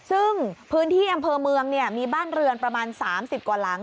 ซึ่งพื้นที่อำเภอเมืองมีบ้านเรือนประมาณ๓๐กว่าหลัง